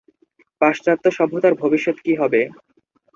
পাশ্চাত্য সভ্যতার ভবিষ্যত কি হবে?